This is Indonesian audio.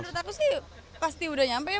menurut aku sih pasti udah nyampe ya